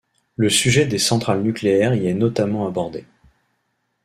Le sujet des centrales nucléaires y est notamment abordé.